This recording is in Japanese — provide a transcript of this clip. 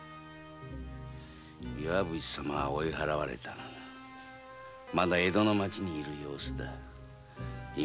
岩淵様は追い払われたがまだ江戸の町にいる様子だ。